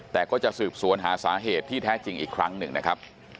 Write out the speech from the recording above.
แต่ก็จะสืบสวนหาสาเหตุที่แท้จริงอีกครั้งหนึ่งนะครับ